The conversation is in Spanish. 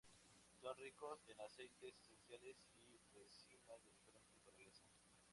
Son ricos en aceites esenciales y resinas de diferente naturaleza.